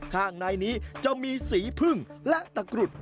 ข้างในนี้จะมีสีพึ่งและตะกรุด